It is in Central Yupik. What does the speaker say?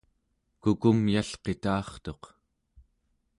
kukumyalqita'artuq